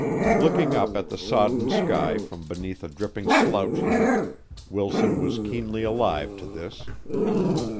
Looking up at the sodden sky from beneath a dripping slouch hat, Wilson was keenly alive to this.